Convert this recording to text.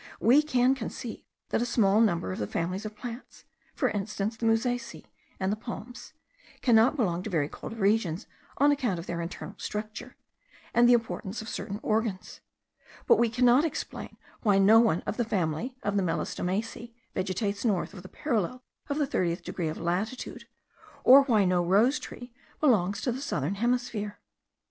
We can conceive that a small number of the families of plants, for instance the musaceae and the palms, cannot belong to very cold regions, on account of their internal structure, and the importance of certain organs; but we cannot explain why no one of the family of the Melastomaceae vegetates north of the parallel of the thirtieth degree of latitude, or why no rose tree belongs to the southern hemisphere.